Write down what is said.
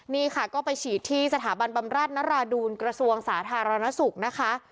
นี่ค่ะก็ไปฉีดที่สถาบันบำราชนราดูลกระทรวงสาธารณสุขนะคะ